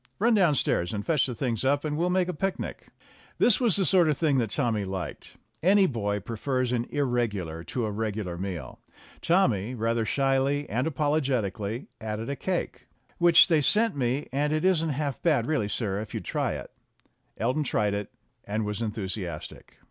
"Run downstairs and fetch the things up, and we'll make a picnic." This was the sort of thing that Tommy liked; any boy prefers an irregular to a regular meal. Tommy, rather shyly and apologetically, added a cake, "Which they sent me, and it isn't half bad really, sir, if you'd try it." Elton tried it, and was enthusiastic.